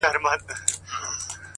• ځان یې دروند سو لکه کاڼی په اوبو کي -